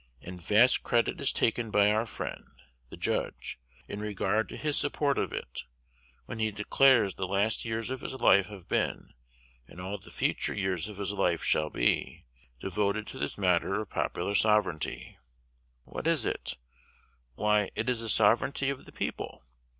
And vast credit is taken by our friend, the Judge, in regard to his support of it, when he declares the last years of his life have been, and all the future years of his life shall be, devoted to this matter of popular sovereignty. What is it? Why, it is the sovereignty of the people!